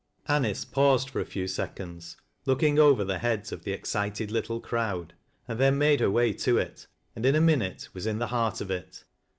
Anice paused for a few seconds, looking over the heads of the excited little crowd, and then made her way to it, and in a minute was in the heart of it.